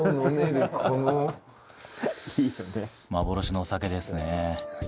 幻のお酒ですね